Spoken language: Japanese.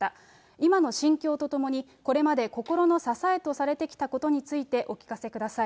今の心境とともに、これまで心の支えとされてきたことに対して、お聞かせください。